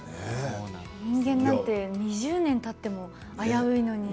人間なんて２０年たっても危ういのに。